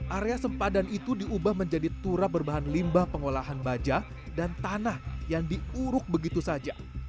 area sempadan itu diubah menjadi turap berbahan limbah pengolahan baja dan tanah yang diuruk begitu saja